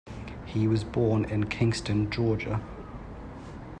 He was born in Kingston, Georgia.